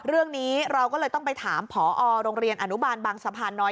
เรื่องนี้เราก็เลยต้องไปถามผอโรงเรียนอนุบาลบางสะพานน้อย